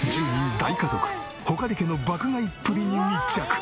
大家族穂苅家の爆買いっぷりに密着！